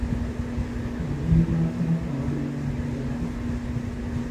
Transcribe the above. Olubiri lwa Kabaka waluyonjezza?